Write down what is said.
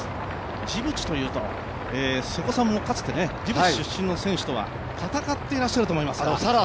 ジブチというと瀬古さんもかつてジブチ出身の選手とは戦っていらっしゃると思いますが。